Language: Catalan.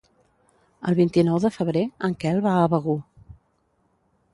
El vint-i-nou de febrer en Quel va a Begur.